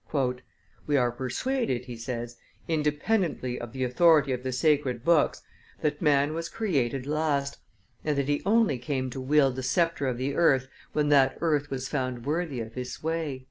"We are persuaded," he says, "independently of the authority of the sacred books, that man was created last, and that he only came to wield the sceptre of the earth when that earth was found worthy of his sway."